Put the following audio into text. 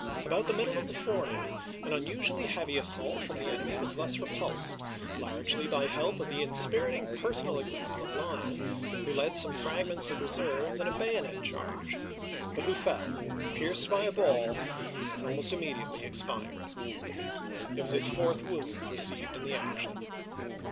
About the middle of the forenoon an unusually heavy assault from the enemy was thus repulsed, largely by help of the in spiriting personal example of Lyon, who led some fragments of reserves in a bayonet charge, but who fell, pierced by a ball, and almost immediately expu'ed. It was his fourth wound received in the action.